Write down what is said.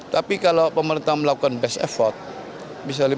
tapi kalau pemerintah melakukan best effort bisa lima puluh